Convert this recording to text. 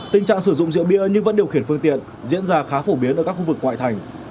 tình trạng sử dụng rượu bia nhưng vẫn điều khiển phương tiện diễn ra khá phổ biến ở các khu vực ngoại thành